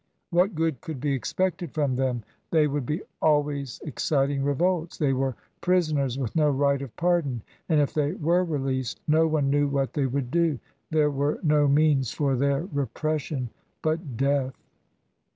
What good could be expected from them ? They would L^, always exciting revolts. They were prisoners with no right of pardon ; and, if they were released, no one knew what they would do. There were no means for their repression but death.